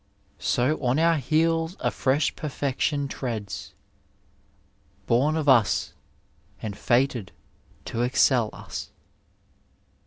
So on our heels a fresh perfection treads, ♦♦*♦* bom of UB And fated to excel us.